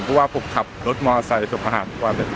เพราะว่าผมขับรถมอเตอร์ไซต์สุขภาพทุกวัน